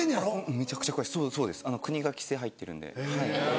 めちゃくちゃ詳しいそうです国が規制入ってるんで。